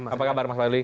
apa kabar mas fadli